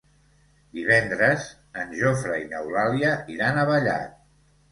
Divendres en Jofre i n'Eulàlia iran a Vallat.